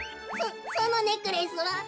そそのネックレスは？